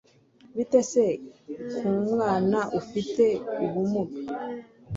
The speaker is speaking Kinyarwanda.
Bite se ku mwana ufite ubumuga